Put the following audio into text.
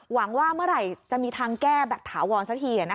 หวังว่าเมื่อไหร่จะมีทางแก้แบบถาวรสักที